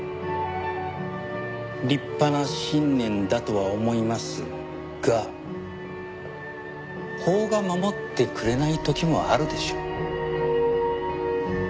立派な信念だとは思いますが法が守ってくれない時もあるでしょう。